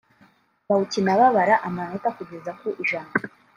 bawukina babara amanota kugeza ku ijana